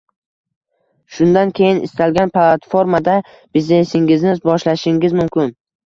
Shundan keyin istalgan platformada biznesingizni boshlashingiz mumkin.